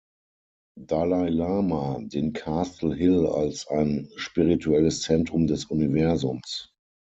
Dalai Lama, den Castle Hill als ein "Spirituelles Zentrum des Universums".